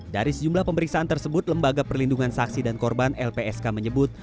dari sejumlah pemeriksaan tersebut lembaga perlindungan saksi dan korban lpsk menyebut